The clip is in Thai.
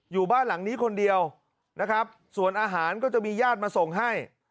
อยู่บ้านหลังนี้คนเดียวนะครับส่วนอาหารก็จะมีญาติมาส่งให้